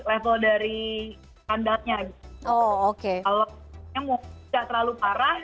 kalau yang gak terlalu parah